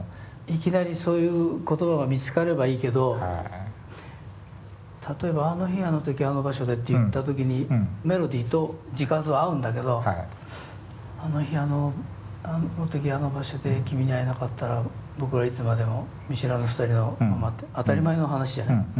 いきなりそういう言葉が見つかればいいけど例えば「あの日あの時あの場所で」って言った時にメロディーと字数は合うんだけど「あの日あの時あの場所で君に会えなかったら僕等はいつまでも見知らぬ二人のまま」って当たり前の話じゃない。